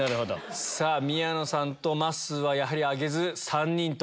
さぁ宮野さんとまっすーはやはり挙げず３人と。